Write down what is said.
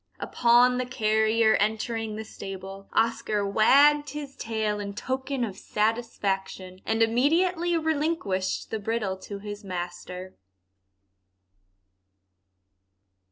Upon the carrier entering the stable, Oscar wagged his tail in token of satisfaction, and immediately relinquished the bridle to his master.